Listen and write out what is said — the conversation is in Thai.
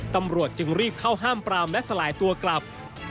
ตำรวจจึงรีบเข้าห้ามปรามและสลายตัวกลับ